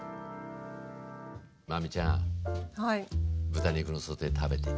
真海ちゃん豚肉のソテー食べて。